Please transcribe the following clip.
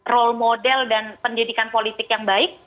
role model dan pendidikan politik yang baik